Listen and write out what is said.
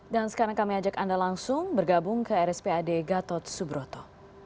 dan sekarang kami ajak anda langsung bergabung ke rspad gatot subroto